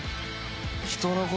人のこと